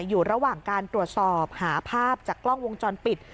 อยู่ระหว่างการตรวจสอบหาภาพจากกล้องวงจรปิด